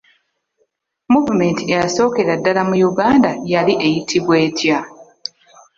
Muvumenti eyasookera ddala mu Uganda yali eyitibwa etya?